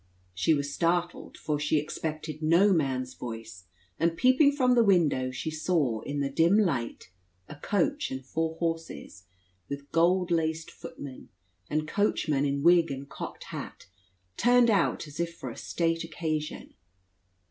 She was startled, for she expected no man's voice; and peeping from the window, she saw, in the dim light, a coach and four horses, with gold laced footmen, and coachman in wig and cocked hat, turned out as if for a state occasion.